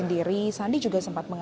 di masahesi ini